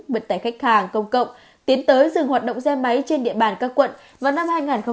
vận tải khách hàng công cộng tiến tới dừng hoạt động xe máy trên địa bàn các quận vào năm hai nghìn hai mươi